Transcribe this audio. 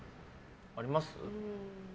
あります？